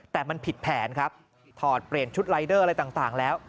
แต่มันผิดแผนครับถอดเปลี่ยนชุดรายเดอร์อะไรต่างแล้ว